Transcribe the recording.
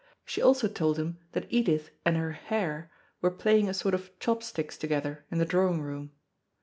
She also told him that Edith and her Herr were playing a sort of chopsticks together in the drawing room.